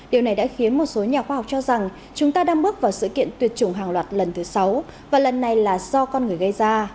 điều này đã khiến một số nhà khoa học cho rằng chúng ta đang bước vào sự kiện tuyệt chủng hàng loạt lần thứ sáu và lần này là do con người gây ra